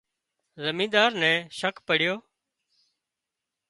زمينۮار نين شڪ پڙيو